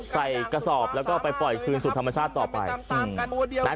ใส่กระสอบแล้วก็ไปปล่อยคืนสู่ธรรมชาติต่อไป